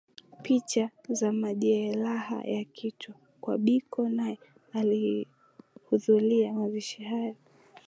Picha za majelaha ya kichwani kwa Biko nae alihudhulia mazishi hayo